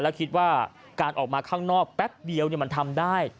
แล้วคิดว่าการออกมาข้างนอกแป๊บเดียวมันทำได้